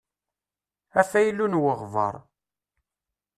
Afaylu n weɣbaṛ.